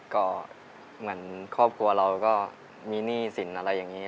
ก็เหมือนครอบครัวเราก็มีหนี้สินอะไรอย่างนี้